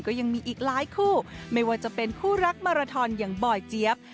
ก็ยังมีอีกหลายคู่ไม่ว่าจะเป็นคู่รักมาราทอนอย่างบอยเจี๊ยบ